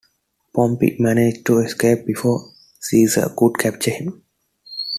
Pompey managed to escape before Caesar could capture him.